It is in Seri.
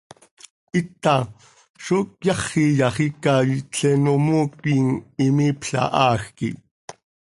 Hita, ¿zó cyáxiya, xiica itleen oo mooquim imiipla haaj quih?